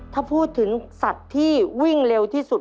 ถ้าพูดถึงสัตว์ที่วิ่งเร็วที่สุด